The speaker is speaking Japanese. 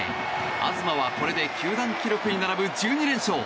東はこれで球団記録に並ぶ１２連勝。